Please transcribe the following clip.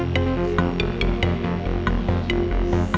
dia baru aja pulang